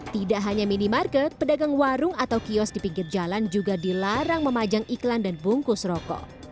tidak hanya minimarket pedagang warung atau kios di pinggir jalan juga dilarang memajang iklan dan bungkus rokok